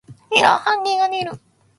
エラー判定が出る。